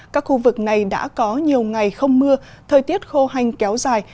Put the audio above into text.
các khu vực này đã có nhiều ngày không mưa thời tiết khô hành kéo dài